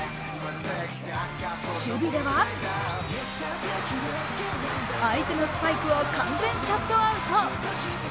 守備では相手のスパイクを完全シャットアウト。